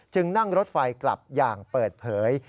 นั่งรถไฟกลับอย่างเปิดเผย